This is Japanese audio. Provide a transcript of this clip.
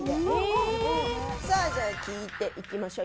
さあじゃあ聞いていきましょう。